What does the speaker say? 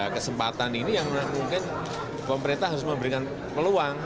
kesempatan ini yang mungkin pemerintah harus memberikan peluang